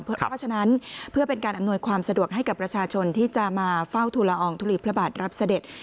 เพราะฉะนั้นเพื่อเป็นการอำนวยความสะดวกให้กับประชาชนที่จะมาเฝ้าทุลอองทุลีพระบาทรับเสด็จ